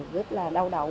rất là đau đáu